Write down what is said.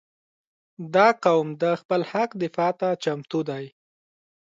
• دا قوم د خپل حق دفاع ته چمتو دی.